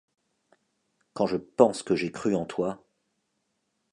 Quand je pense que j'ai cru en toi.